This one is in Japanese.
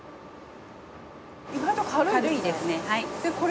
意外と軽いですね。